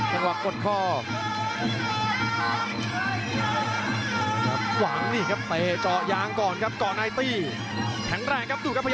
อันวัดเบียดเข้ามาอันวัดโดนชวนแรกแล้ววางแค่ขวาแล้วเสียบด้วยเขาซ้าย